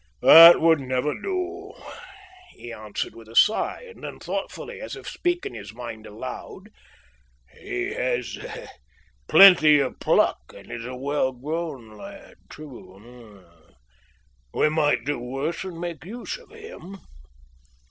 That would never do," he answered with a sigh, and then, thoughtfully, as if speaking his mind aloud: "He has plenty of pluck and is a well grown lad, too. We might do worse than make use of him."